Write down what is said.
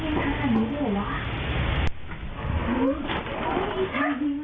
เสียเหงื่อนับขิทหัวจริง